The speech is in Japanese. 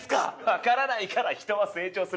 わからないから人は成長する。